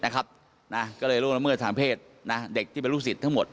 ก็เลยโลกละเมืองทางเพศเเด็กที่เป็นลูกสิทธิ์ทั้งหมด